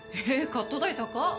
カット代高っ